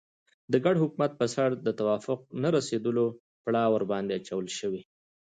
د ګډ حکومت پر سر د توافق نه رسېدلو پړه ورباندې اچول شوې.